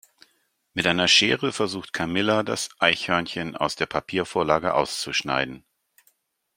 Mit einer Schere versucht Camilla das Eichhörnchen aus der Papiervorlage auszuschneiden.